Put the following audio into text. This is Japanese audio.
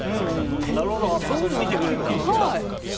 なるほど、そういうふうに見てくれるんだ。